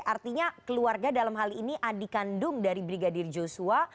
artinya keluarga dalam hal ini adik kandung dari brigadir joshua